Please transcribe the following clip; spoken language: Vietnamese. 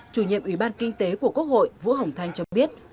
chủ nhiệm ủy ban kinh tế của quốc hội vũ hồng thanh cho biết